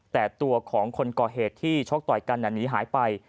แต่ตัวของคนก่อเหตุที่ชกต่อยกันหนีหายไป